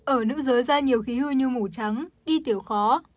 ở nữ giới ra nhiều khí hư như ngủ trắng đi tiểu khó